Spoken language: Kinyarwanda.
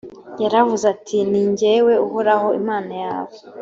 yaravuze ati«ni jyewe uhoraho imana yawe